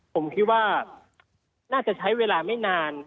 ผมคิดว่าน่าจะใช้เวลาไม่นาน